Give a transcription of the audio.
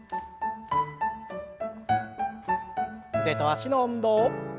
腕と脚の運動。